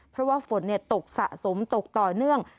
เพราะว่าฝนตกสะสมตกต่อเนื่อง